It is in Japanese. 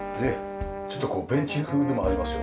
ちょっとこうベンチ風でもありますよね。